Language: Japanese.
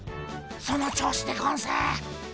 その調子でゴンス！